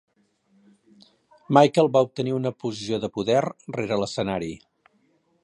Mikael va obtenir una posició de poder rere l'escenari.